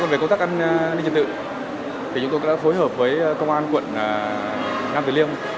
về công tác an ninh trật tự chúng tôi đã phối hợp với công an quận nam tử liêm